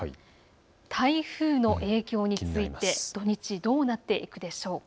台風の影響についてで土日どうなっていくでしょうか。